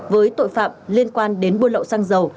với tội phạm liên quan đến buôn lậu xăng dầu